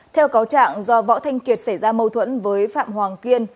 theo cáo trạng do võ thanh kiệt xảy ra mâu thuẫn với phạm hoàng kiên